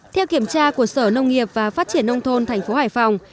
theo kiểm tra của sở nông nghiệp và phát triển nông thôn tp hải phòng